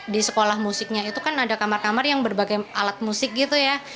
di sekolah musiknya itu kan ada kamar kamar yang berbagai alat musik gitu ya